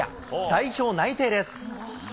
代表内定です。